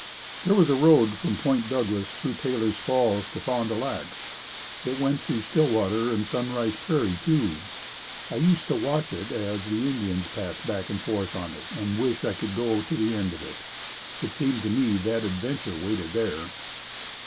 There was a road from Point Douglas through Taylor's Falls to Fond du Lac. It went through Stillwater and Sunrise Prairie, too. I used to watch it as the Indians passed back and forth on it and wish I could go to the end of it. It seemed to me that Adventure waited there.